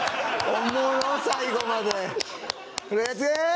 おもろ、最後まで。